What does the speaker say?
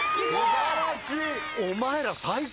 素晴らしい！